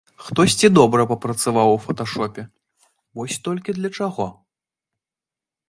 Хтосьці добра папрацаваў у фоташопе, вось толькі для чаго?